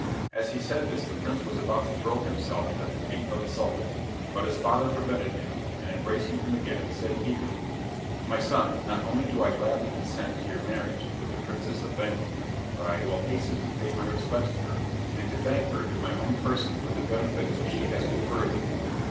As he said this the prince was about to throw himself at the feet of the Sultan, but his father prevented him, and embracing him again, said eagerly: "My son, not only do I gladly consent to your marriage with the Princess of Bengal, but I will hasten to pay my respects to her, and to thank her in my own person for the benefits she has conferred on you.